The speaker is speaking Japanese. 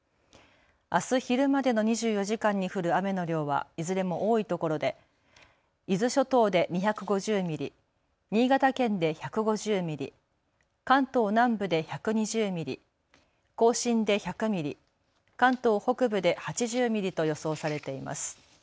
あす昼までの２４時間に降る雨の量はいずれも多いところで伊豆諸島で２５０ミリ、新潟県で１５０ミリ、関東南部で１２０ミリ、甲信で１００ミリ、関東北部で８０ミリと予想されています。